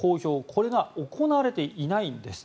これが行われていないんです。